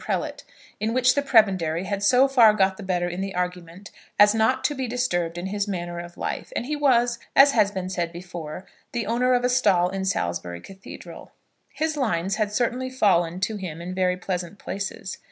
prelate, in which the prebendary had so far got the better in the argument as not to be disturbed in his manner of life; and he was, as has been before said, the owner of a stall in Salisbury Cathedral. His lines had certainly fallen to him in very pleasant places.